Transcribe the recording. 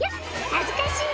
恥ずかしい！